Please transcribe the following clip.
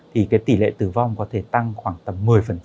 thì cái tỷ lệ tử vong có thể tăng khoảng tầm một mươi